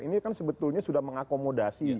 ini kan sebetulnya sudah mengakomodasi